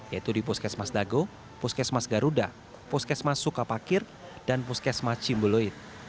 yaitu di puskesmas dago puskesmas garuda puskesmas sukapakir dan puskesmas cimbuluit